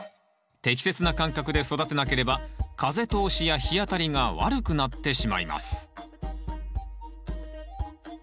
適切な間隔で育てなければ風通しや日当たりが悪くなってしまいます